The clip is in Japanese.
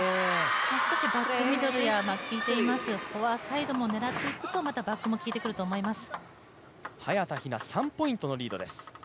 少しバックミドルが効いています、フォアサイドも狙っていくと少しバックも効いてくると思います。